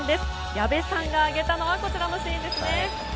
矢部さんが挙げたのがこちらのシーンです。